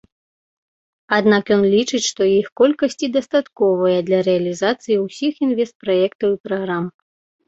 Аднак ён лічыць, што іх колькасці дастатковая для рэалізацыі ўсіх інвестпраектаў і праграм.